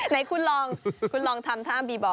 ไหนคุณลองคุณลองทำท่าบีบ่อ